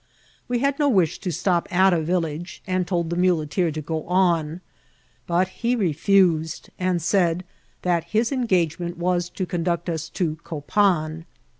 We had no wish to stop at a village, and told the muleteer to go on, but he refused, and said that his engagement was to conduct us to Copan.